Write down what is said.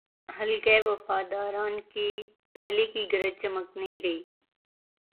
حلقۂ وفاداران کی پہلے کی گرج چمک نہیںرہی۔